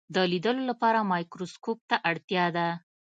د لیدلو لپاره مایکروسکوپ ته اړتیا ده.